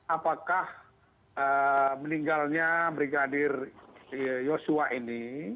apakah meninggalnya brigadir yosua ini